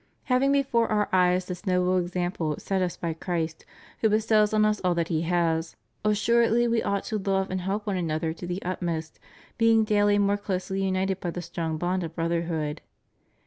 ^ Having before our eyes this noble example set us by Christ, who bestows on us all that He has, assuredly we ought to love and help one another to the utmost, being daily more closely united by the strong bond of brotherhood.